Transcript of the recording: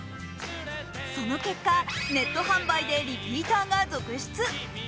その結果、ネット販売でリピーターが続出。